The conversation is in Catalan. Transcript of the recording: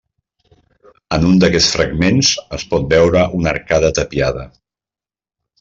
En un d'aquests fragments es pot veure una arcada tapiada.